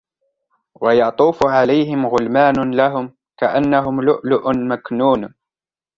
ويطوف عليهم غلمان لهم كأنهم لؤلؤ مكنون